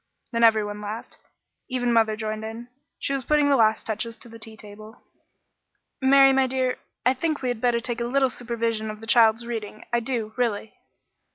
Then every one laughed. Even mother joined in. She was putting the last touches to the tea table. "Mary, my dear, I think we'd better take a little supervision of the child's reading I do, really."